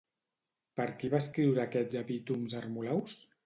Per qui va escriure aquests epítoms Hermolaus?